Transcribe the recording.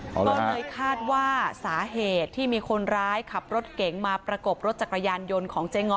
ก็เลยคาดว่าสาเหตุที่มีคนร้ายขับรถเก๋งมาประกบรถจักรยานยนต์ของเจ๊ง้อ